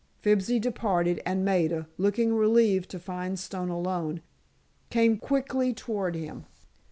Fibsy departed, and Maida, looking relieved to find Stone alone, came quickly toward him.